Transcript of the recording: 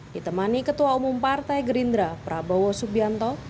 ditemani ketua umum partai gerindra prabowo subianto